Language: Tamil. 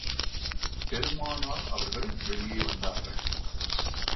பெருமானார் அவர்கள் வெளியே வந்தார்கள்.